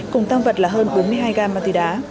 cùng tăng vật là hơn bốn mươi hai gam ma túy đá